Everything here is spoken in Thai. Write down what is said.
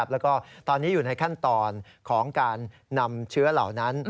แล้วก็ตอนนี้อยู่ในขั้นตอนของการนำเชื้อเหล่านั้น